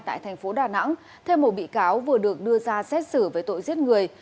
tại thành phố đà nẵng thêm một bị cáo vừa được đưa ra xét xử với tội giết người